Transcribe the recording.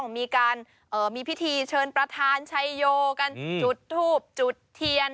มีพิธีเชิญประธานชายโยจุดถูบจุดเทียน